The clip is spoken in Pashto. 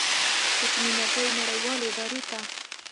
د اټومي انرژۍ نړیوالې ادارې ته